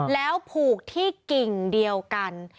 แล้วผูกที่กิ่งเดียวกัน